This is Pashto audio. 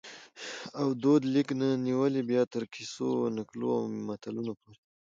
او دود لیک نه نیولي بیا تر کیسو ، نکلو او متلونو پوري